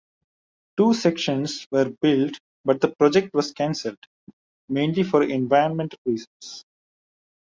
Two sections were built but the project was cancelled, mainly for environmental reasons.